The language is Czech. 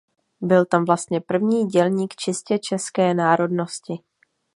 Byl tam vlastně první dělník čistě české národnosti.